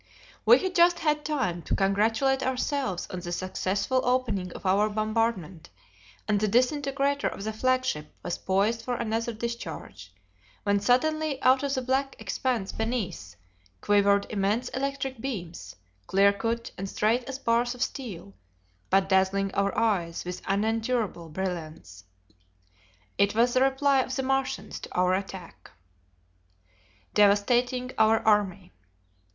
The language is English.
We had just had time to congratulate ourselves on the successful opening of our bombardment, and the disintegrator of the flagship was poised for another discharge, when suddenly out of the black expanse beneath, quivered immense electric beams, clear cut and straight as bars of steel, but dazzling our eyes with unendurable brilliance. It was the reply of the Martians to our attack. Devastating Our Army.